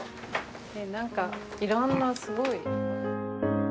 いろんなすごい。